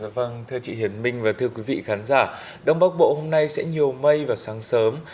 vâng thưa chị hiển minh và thưa quý vị khán giả đông bắc bộ hôm nay sẽ nhiều mây vào sáng sớm